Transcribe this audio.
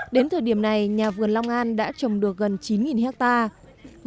đến thời điểm này nhà vườn long an đã trồng được gần chín hectare